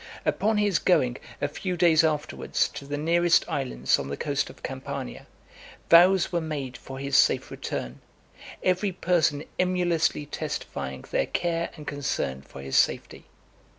Upon his going, a few days afterwards, to the nearest islands on the coast of Campania , vows were made for his safe return; every person emulously testifying their care and concern for his safety.